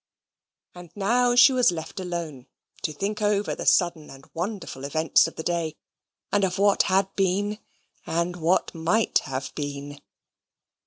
And now she was left alone to think over the sudden and wonderful events of the day, and of what had been and what might have been.